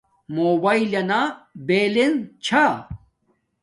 موباݵلنا بلینس چھا